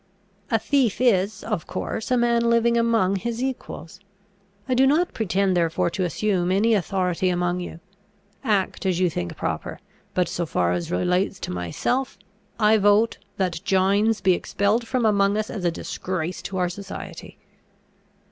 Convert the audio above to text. A thief is, of course, a man living among his equals; I do not pretend therefore to assume any authority among you; act as you think proper; but, so far as relates to myself, I vote that Gines be expelled from among us as a disgrace to our society."